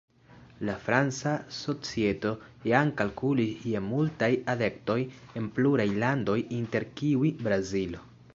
La franca societo jam kalkulis je multaj adeptoj en pluraj landoj, inter kiuj Brazilo.